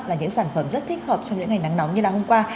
là những sản phẩm rất thích hợp trong những ngày nắng nóng như ngày hôm qua